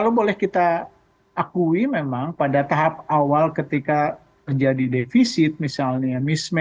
kalau boleh kita akui memang pada tahap awal ketika terjadi defisit misalnya mismatch itu memang layanan yang diperhitungkan